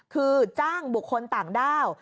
คือจ้างบุคคลต่างด้าว